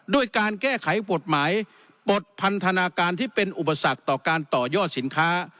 ด้วยการแก้ไขกฎหมายปลดพันธนาการที่เป็นอุปสรรคต่อการต่อยอดสินค้า